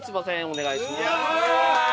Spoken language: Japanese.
お願いします。